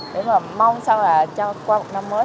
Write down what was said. để mà mong sau là qua một năm mới